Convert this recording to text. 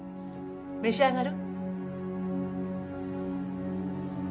召し上がる？